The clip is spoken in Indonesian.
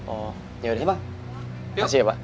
oh yaudah ya pak kasih ya pak